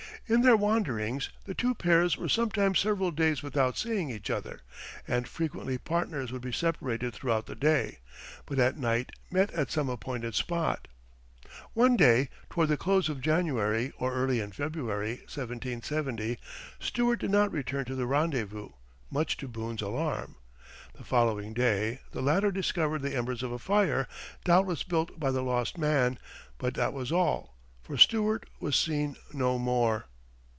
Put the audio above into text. In their wanderings the two pairs were sometimes several days without seeing each other; and frequently partners would be separated throughout the day, but at night met at some appointed spot. One day, toward the close of January or early in February (1770), Stuart did not return to the rendezvous, much to Boone's alarm. The following day the latter discovered the embers of a fire, doubtless built by the lost man; but that was all, for Stuart was seen no more.